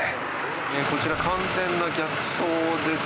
こちら完全な逆走です。